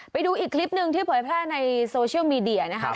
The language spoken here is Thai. ไปดูอีกคลิปหนึ่งที่เผยแพร่ในโซเชียลมีเดียนะคะ